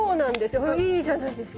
いいじゃないですか。